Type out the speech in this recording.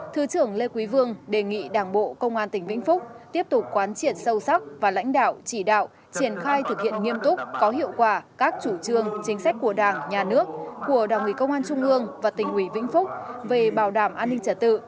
thứ trưởng lê quý vương đề nghị đảng bộ công an tỉnh vĩnh phúc tiếp tục quán triệt sâu sắc và lãnh đạo chỉ đạo triển khai thực hiện nghiêm túc có hiệu quả các chủ trương chính sách của đảng nhà nước của đảng ủy công an trung ương và tỉnh ủy vĩnh phúc về bảo đảm an ninh trả tự